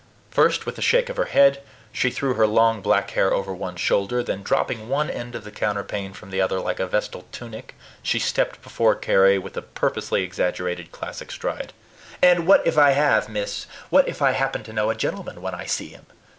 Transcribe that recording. First, with a shake of her head, she threw her long black hair over one shoulder, then, dropping one end of the counterpane from the other like a vestal tunic, she stepped before Carry with a purposely exaggerated classic stride. "And what if I have, miss! What if I happen to know a gentleman when I see him!